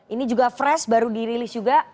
ini juga fresh baru dirilis juga